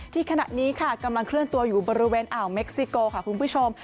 ขณะนี้ค่ะกำลังเคลื่อนตัวอยู่บริเวณอ่าวเม็กซิโกค่ะคุณผู้ชม